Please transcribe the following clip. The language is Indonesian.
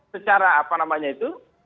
secara apa namanya itu